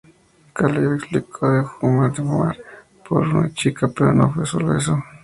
Caleb explicó: "Dejó de fumar por una chica, pero no fue sólo eso.